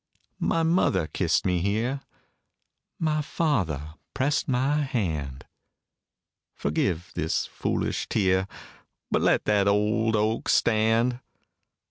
My mother kissed me here; My father pressed my hand Forgive this foolish tear, But let that old oak stand.